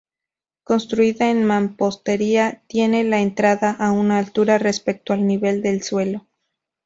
Construida en mampostería, tenía la entrada a una altura respecto al nivel del suelo.